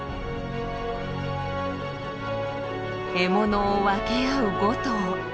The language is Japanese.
獲物を分け合う５頭。